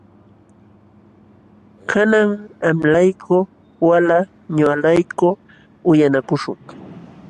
Kanan qamlayku walay ñuqalayku uyanakuśhun.